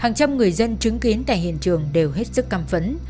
hàng trăm người dân chứng kiến tại hiện trường đều hết sức căm phấn